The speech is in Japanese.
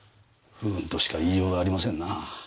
不運としか言いようがありませんな。